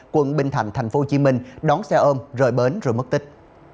quận bình thạnh thành phố hồ chí minh đón xe ôm rời bến rồi mất tích